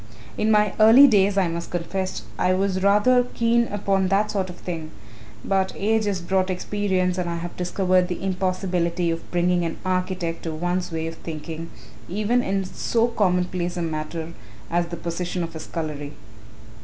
"In my early days, I must confess, I was rather keen upon that sort of thing, but age has brought experience and I have discovered the impossibility of bringing an architect to one's way of thinking even in so commonplace a matter as the position of a scullery.